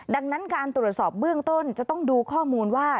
ดังนั้นการตรวจสอบเบื้องต้นจะต้องดูข้อมูลว่า